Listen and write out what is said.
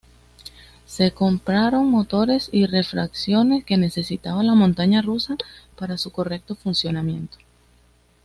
Se compraron motores y refacciones que necesitaba la montaña rusa para su correcto funcionamiento.